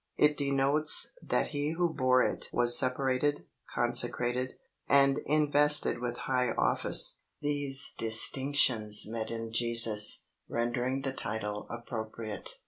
It denotes that He who bore it was separated, consecrated, and invested with high office. These distinctions met in Jesus, rendering the title appropriate.